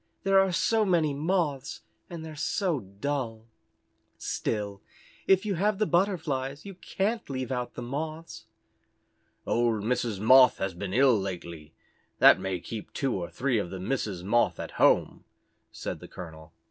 There are so many Moths, and they're so dull. Still if you have the Butterflies you can't leave out the Moths." "Old Mrs. Moth has been ill lately. That may keep two or three of the Misses Moth at home," said the colonel.